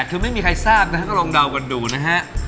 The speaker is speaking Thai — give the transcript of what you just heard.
คือไม่มีใครทราบนะฮะก็ลองเดากันดูนะฮะ